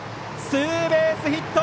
ツーベースヒット！